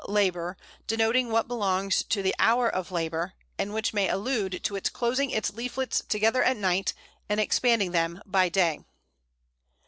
labor_, denoting what belongs to the hour of labour, and which may allude to its closing its leaflets together at night, and expanding them by day."